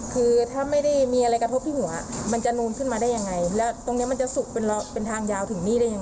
แล้วแบบไปเห็นตรงนี้มันลอกมันเป็นพองน้ำตรงนี้